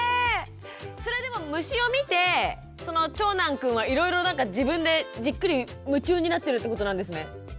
それでも虫を見てその長男くんはいろいろなんか自分でじっくり夢中になってるってことなんですね？